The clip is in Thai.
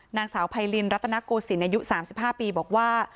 นางสาวไพรินรัตนโกศิลป์อายุ๓๕ปีบอกว่า